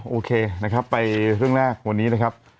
โอเคนะครับไปเรื่องแรกวันนี้นะครับ